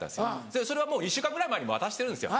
でそれはもう１週間くらい前に渡してるんですよ